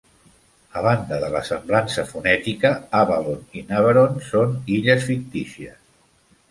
A banda de la semblança fonètica, Avalon i Navarone són illes fictícies.